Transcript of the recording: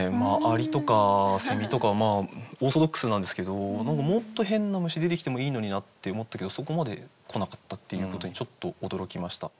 蟻とかセミとかオーソドックスなんですけどもっと変な虫出てきてもいいのになって思ったけどそこまで来なかったっていうことにちょっと驚きました。